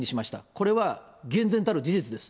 これは厳然たる事実です。